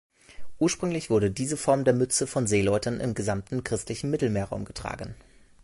Ursprünglich wurde diese Form der Mütze von Seeleuten im gesamten christlichen Mittelmeerraum getragen.